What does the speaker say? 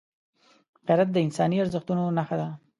غیرت د انساني ارزښتونو نښه ده